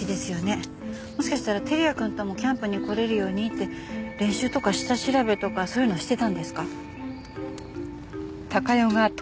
もしかしたら輝也くんともキャンプに来れるようにって練習とか下調べとかそういうのしてたんですか？